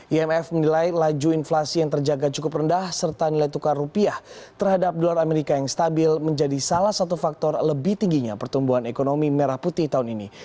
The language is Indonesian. imf menilai laju inflasi yang terjaga cukup rendah serta nilai tukar rupiah terhadap dolar amerika yang stabil menjadi salah satu faktor lebih tingginya pertumbuhan ekonomi merah putih tahun ini